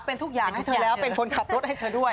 เป็นทุกอย่างให้เธอแล้วเป็นคนขับรถให้เธอด้วย